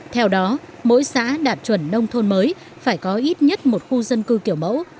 theo đó mỗi xã đạt chuẩn nông thôn mới phải có ít nhất một khu dân cư kiểu mẫu